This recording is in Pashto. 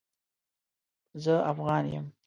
زه افغان يم